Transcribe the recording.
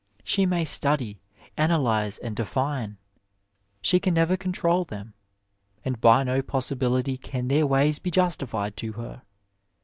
She may study,' analyze, and define, she can never control them, and by no possibilty can their ways be justified to her.